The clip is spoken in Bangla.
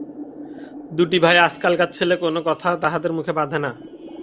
দুটি ভাই আজকালকার ছেলে, কোনো কথা তাহাদের মুখে বাধে না।